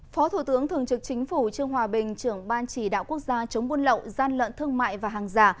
phó thủ tướng thường trực chính phủ trương hòa bình trưởng ban chỉ đạo quốc gia chống buôn lậu gian lận thương mại và hàng giả